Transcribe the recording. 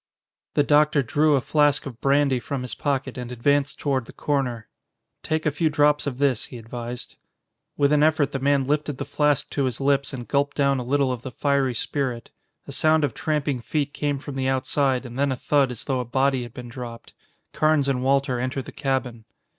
The doctor drew a flask of brandy from his pocket and advanced toward the corner. "Take a few drops of this," he advised. With an effort the man lifted the flask to his lips and gulped down a little of the fiery spirit. A sound of tramping feet came from the outside and then a thud as though a body had been dropped. Carnes and Walter entered the cabin.